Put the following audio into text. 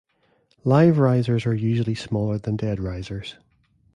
Live risers are usually smaller than dead risers.